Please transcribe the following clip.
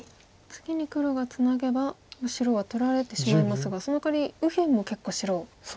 次に黒がツナげば白は取られてしまいますがそのかわり右辺も結構白盛り上がってきましたね。